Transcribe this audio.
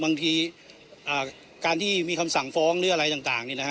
บางทีการที่มีคำสั่งฟ้องหรืออะไรต่าง